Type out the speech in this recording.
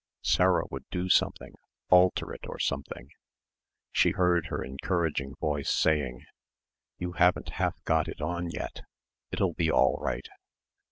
Sarah would do something, alter it or something. She heard her encouraging voice saying, "You haven't half got it on yet. It'll be all right."